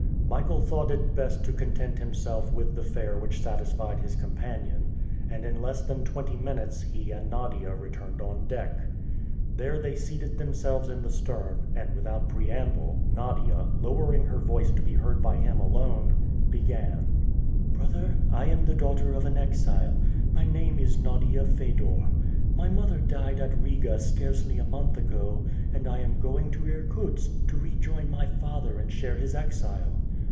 Michael thought it best to content himself with the fare which satisfied his companion; and in less than twenty minutes he and Nadia returned on deck. There they seated themselves in the stern, and without preamble, Nadia, lowering her voice to be heard by him alone, began: "Brother, I am the daughter of an exile. My name is Nadia Fedor. My mother died at Riga scarcely a month ago, and I am going to Irkutsk to rejoin my father and share his exile."